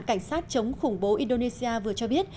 cảnh sát chống khủng bố indonesia vừa cho biết